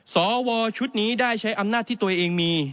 สวชุดนี้ได้ใช้อำนาจที่ตัวเองมี